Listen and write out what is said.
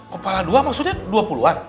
kepala dua maksudnya dua puluhan